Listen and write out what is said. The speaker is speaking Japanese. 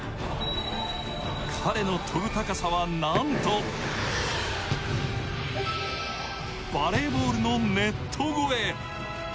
彼の跳ぶ高さはなんとバレーボールのネット越え。